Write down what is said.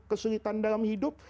kesulitan dalam hidup